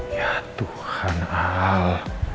ya tuhan al